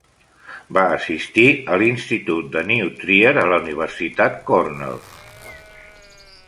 Va assistir a l'Institut de New Trier i a la Universitat Cornell.